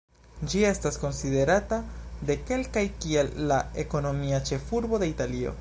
Ĝi estas konsiderata de kelkaj kiel la ekonomia ĉefurbo de Italio.